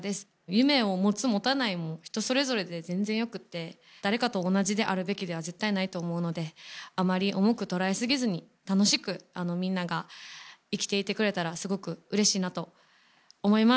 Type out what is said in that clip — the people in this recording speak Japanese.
夢を持つ、持たないも人それぞれで全然よくって誰かと同じであるべきでは絶対ないと思うのであまり重くとらえすぎずに楽しくみんなが生きていてくれたらすごくうれしいなと思います。